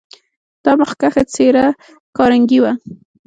دا مخکښه څېره کارنګي و.